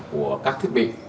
của các thiết bị